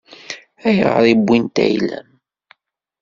Ayɣer i wwint ayla-m?